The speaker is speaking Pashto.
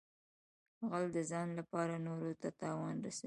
غل د ځان لپاره نورو ته تاوان رسوي